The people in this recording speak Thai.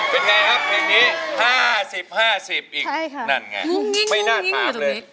เป็นไงครับเพลงนี้๕๐๕๐อีกนั่นไงไม่น่าถามเลย